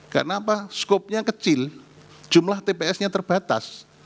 karena apa skopnya kecil jumlah tps nya terbatas